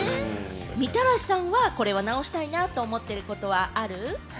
みたらしさんはこれは直したいなと思ってることは、ある？